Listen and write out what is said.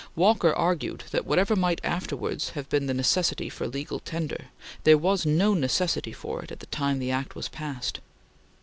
Walker argued that, whatever might afterwards have been the necessity for legal tender, there was no necessity for it at the time the Act was passed.